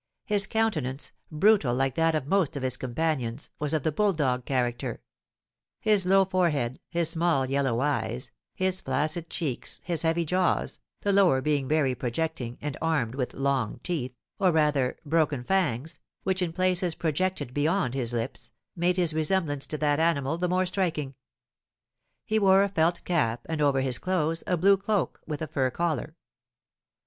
His countenance, brutal like that of most of his companions, was of the bulldog character; his low forehead, his small yellow eyes, his flaccid cheeks, his heavy jaws, the lower being very projecting, and armed with long teeth, or, rather, broken fangs, which in places projected beyond his lips, made his resemblance to that animal the more striking. He wore a felt cap, and over his clothes a blue cloak with a fur collar.